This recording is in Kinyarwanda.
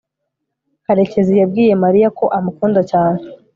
karekezi yabwiye mariya ko amukunda cyane